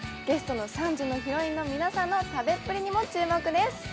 ゲストの３時のヒロインの皆さんの食べっぷりにも注目です。